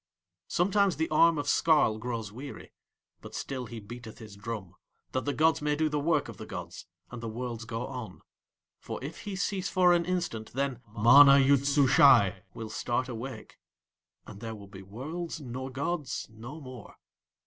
Sometimes the arm of Skarl grows weary; but still he beateth his drum, that the gods may do the work of the gods, and the worlds go on, for if he cease for an instant then MANA YOOD SUSHAI will start awake, and there will be worlds nor gods no more.